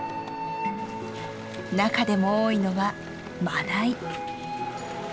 中でも多いのはマダイ。